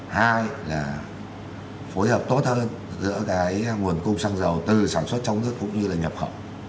hai là phối hợp tốt hơn giữa cái nguồn cung xăng dầu từ sản xuất trong nước cũng như là nhập khẩu